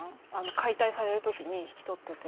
解体される時に引き取ってて。